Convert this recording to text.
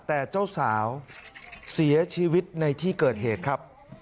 แต่เจ้าสาวเสียชีวิตในที่เกิดเหตุครับ